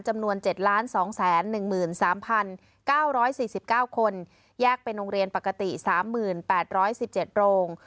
จำนวน๗๒๑๓๙๔๙คนแยกเป็นโรงเรียนปกติ๓๘๑๗โรง